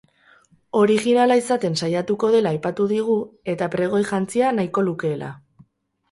Orijinala izaten saiatuko dela aipatu digu eta pregoi jantzia nahiko lukeela.